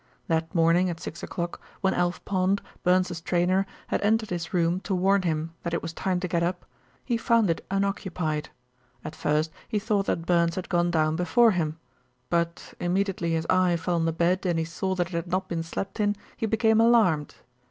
That morning at six o'clock, when Alf Pond, Burns's trainer, had entered his room to warn him that it was time to get up, he found it unoccupied. At first he thought that Burns had gone down before him; but immediately his eye fell on the bed, and he saw that it had not been slept in, he became alarmed.